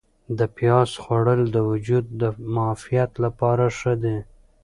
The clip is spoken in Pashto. د پیاز خوړل د وجود د معافیت لپاره ښه دي.